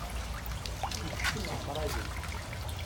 Ikcem ɛamṛayen.